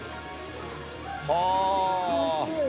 はあ。